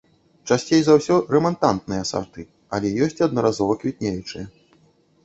Часцей за ўсё рэмантантныя сарты, але ёсць і аднаразова квітнеючыя.